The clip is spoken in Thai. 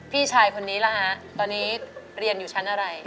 พี่ชายคนนี้ล่ะฮะตอนนี้เรียนอยู่ชั้นอะไร